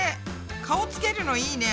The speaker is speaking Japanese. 顔つけるのいいね。